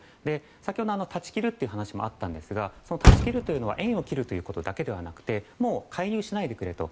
先ほど断ち切るという話もあったんですが断ち切るというのは縁を切るということだけでなくもう介入しないでくれと。